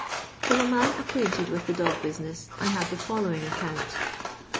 From a man acquainted with the dog business I had the following account.